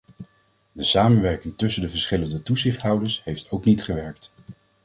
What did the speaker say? De samenwerking tussen de verschillende toezichthouders heeft ook niet gewerkt.